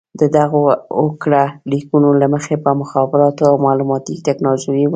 د دغو هوکړه لیکونو له مخې به د مخابراتو او معلوماتي ټکنالوژۍ وزارت